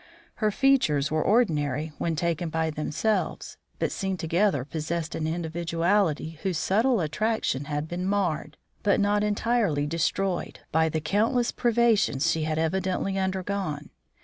Her features were ordinary when taken by themselves, but seen together possessed an individuality whose subtle attraction had been marred, but not entirely destroyed, by the countless privations she had evidently undergone.